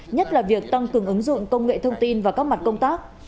nhất là việc tăng cường ứng dụng công nghệ thông tin và các mặt công tác